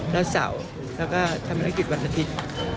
และเสาร์และอับน้ำคริสต์วันอาทิตย์